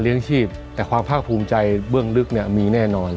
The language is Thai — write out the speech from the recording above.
ชีพแต่ความภาคภูมิใจเบื้องลึกเนี่ยมีแน่นอน